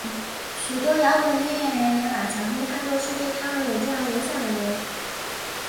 许多摇滚音乐人也把强生看作是对他们有重要影响的人。